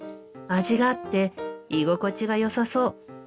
味があって居心地がよさそう。